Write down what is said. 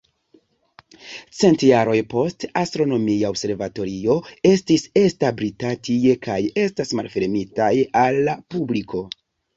Cent jaroj poste, astronomia observatorio estis establita tie kaj estas malfermitaj al la publiko.